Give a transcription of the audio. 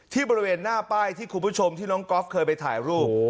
บริเวณหน้าป้ายที่คุณผู้ชมที่น้องก๊อฟเคยไปถ่ายรูป